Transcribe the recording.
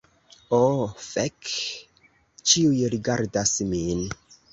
Oh fek, ĉiuj rigardas min